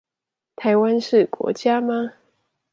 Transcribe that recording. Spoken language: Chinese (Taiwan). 台灣是國家嗎